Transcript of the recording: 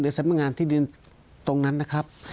สำนักงานที่ดินตรงนั้นนะครับ